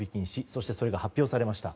そしてそれが発表されました。